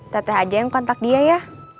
teteh aja yang kontak dia ya